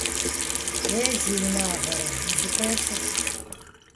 - Е, зи унагъуэрэ, узыхуейр сыт?